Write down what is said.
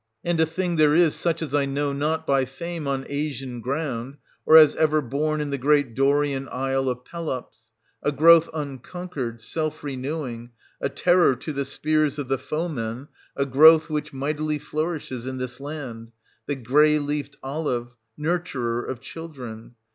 str. 2. And a thing there is such as I know not by fame on Asian ground, or as ever born in the great Dorian isle of Pelops, — a growth unconquered, self renewing, a terror to the spears of the foemen, a growth which mightily 700 flourishes in this land, — the gray leafed olive, nurturer of children.